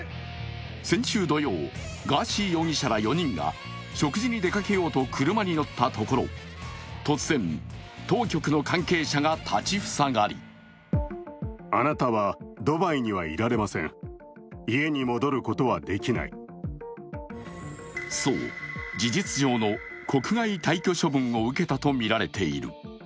先週土曜、ガーシー容疑者ら４人が食事に出かけようと車に乗ったところ突然、当局の関係者が立ち塞がりそう、事実上の国外退去処分を受けたとみられている。